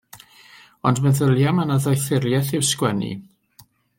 Ond meddylia mae 'na ddoethuriaeth i'w sgwennu.